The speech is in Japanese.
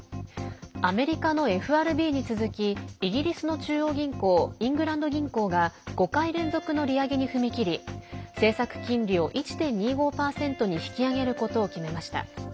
アメリカのＦＲＢに続きイギリスの中央銀行イングランド銀行が５回連続の利上げに踏み切り政策金利を１．２５％に引き上げることを決めました。